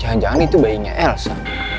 jangan jangan itu bayinya elsa